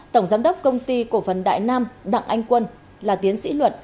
tổng giám đốc công ty cổ phần đại nam đặng anh quân là tiến sĩ luật